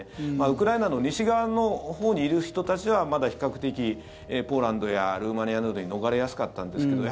ウクライナの西側のほうにいる人たちはまだ比較的、ポーランドやルーマニアなどに逃れやすかったんですけど